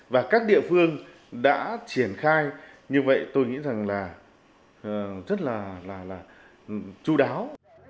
và các địa phương đã triển khai như vậy tôi nghĩ rằng là rất là chú đáo